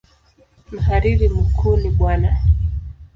Mhariri mkuu ni Bw.